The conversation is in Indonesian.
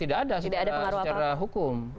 tidak ada secara hukum